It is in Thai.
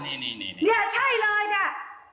มาช่วยเด็กดูได้ยังไงอ่ะ